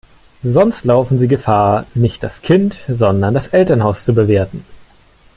Sonst laufen sie Gefahr, nicht das Kind, sondern das Elternhaus zu bewerten.